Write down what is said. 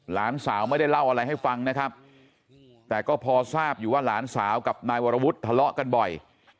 หลานสาวไม่ได้เล่าอะไรให้ฟังนะครับแต่ก็พอทราบอยู่ว่าหลานสาวกับนายวรวุฒิทะเลาะกันบ่อย